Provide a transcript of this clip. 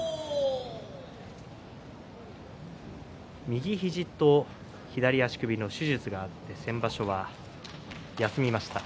右肘と左足首の手術があって先場所は休みました。